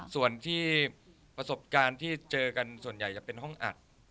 ส่วนที่ประสบการณ์ที่เจอกันส่วนใหญ่จะเป็นห้องอัด